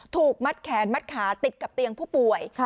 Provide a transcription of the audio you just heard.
ถูกมัดแขนมัดขาติดกับเตียงผู้ป่วย